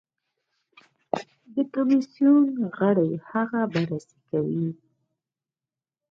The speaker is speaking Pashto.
د کمېسیون غړي هغه بررسي کوي.